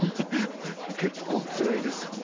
結構つらいです。